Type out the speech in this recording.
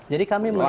jadi kami melihat